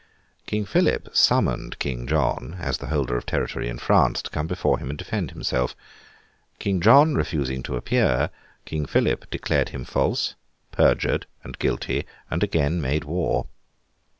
King Philip summoned King John (as the holder of territory in France) to come before him and defend himself. King John refusing to appear, King Philip declared him false, perjured, and guilty; and again made war.